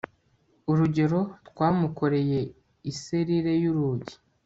urugero, twamukoreye iserire y'urugi